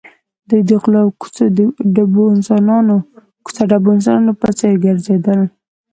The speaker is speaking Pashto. دوی د غلو او کوڅه ډبو انسانانو په څېر ګرځېدل